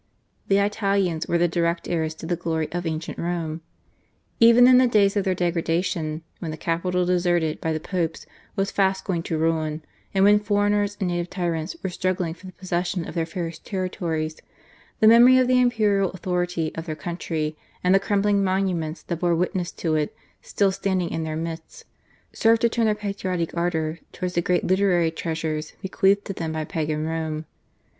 The Italians were the direct heirs to the glory of ancient Rome. Even in the days of their degradation, when the capital deserted by the Popes was fast going to ruin, and when foreigners and native tyrants were struggling for the possession of their fairest territories, the memory of the imperial authority of their country, and the crumbling monuments that bore witness to it still standing in their midst, served to turn their patriotic ardour towards the great literary treasures bequeathed to them by Pagan Rome.